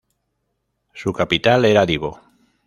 Su capital era Divo.